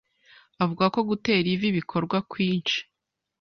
avuga ko gutera ivi bikorwa kwinshi,